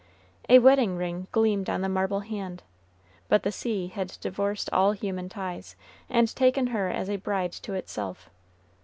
A wedding ring gleamed on the marble hand; but the sea had divorced all human ties, and taken her as a bride to itself.